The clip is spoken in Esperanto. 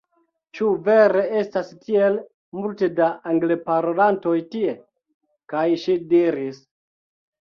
"Ĉu vere estas tiel multe da Angleparolantoj tie?" kaj ŝi diris: